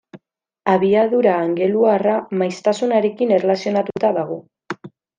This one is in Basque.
Abiadura angeluarra maiztasunarekin erlazionatuta dago.